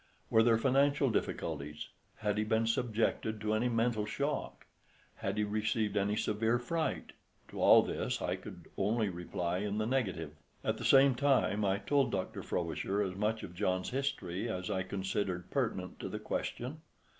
Were there financial difficulties; had he been subjected to any mental shock; had he received any severe fright? To all this I could only reply in the negative. At the same time I told Dr. Frobisher as much of John's history as I considered pertinent to the question.